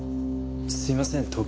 すいません